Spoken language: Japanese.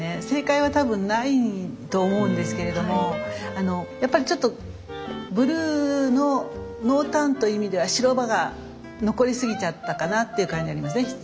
正解は多分ないと思うんですけれどもやっぱりちょっとブルーの濃淡という意味では白場が残りすぎちゃったかなっていう感じありますね。